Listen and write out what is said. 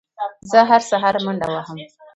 زه هره سهار منډه وهم